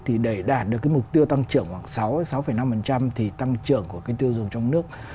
thì để đạt được cái mục tiêu tăng trưởng khoảng sáu sáu năm thì tăng trưởng của cái tiêu dùng trong nước